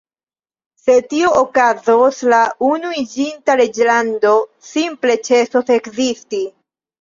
Se tio okazos, la Unuiĝinta Reĝlando simple ĉesos ekzisti.